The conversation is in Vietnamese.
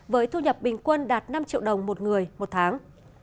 với thu nhập bình quân đạt năm triệu đồng một người một tháng